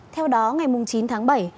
theo đó ngày chín tháng bảy